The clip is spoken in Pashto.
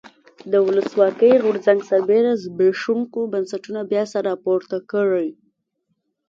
د ولسواکۍ غورځنګ سربېره زبېښونکي بنسټونه بیا سر راپورته کړي.